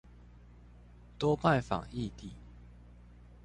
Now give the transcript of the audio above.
多拜訪異地